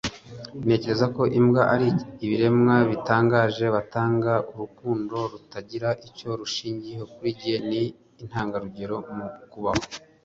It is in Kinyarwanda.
ntekereza ko imbwa ari ibiremwa bitangaje; batanga urukundo rutagira icyo rushingiraho kuri njye, ni intangarugero mu kubaho